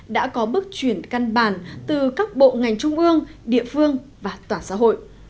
đã có bước chuyển căn bản từ các bộ ngành trung ương địa phương và tòa xã hội